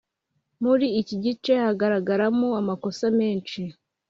Muri iki gice haragaragaramo amakosa menshi